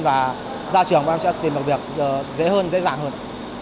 và ra trường các em sẽ tìm được việc dễ hơn dễ dàng hơn